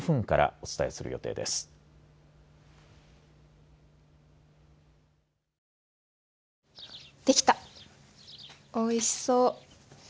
おいしそう！